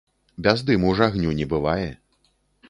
Без дыму ж агню не бывае.